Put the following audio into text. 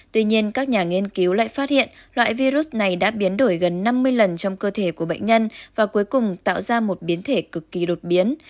tuy nhiên các nhà nghiên cứu lại phát hiện loại virus này đã biến đổi gần năm mươi lần trong cơ thể của bệnh nhân và cuối cùng tạo ra một biến thể cực kỳ đột biến